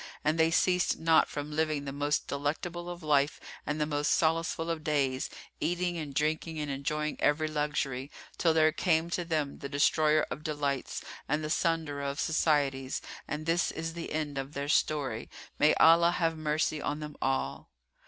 And they ceased not from living the most delectable of life and the most solaceful of days, eating and drinking and enjoying every luxury, till there came to them the Destroyer of delights and the Sunderer of Societies; and this is the end of their story[FN#348], may Allah have mercy on them all!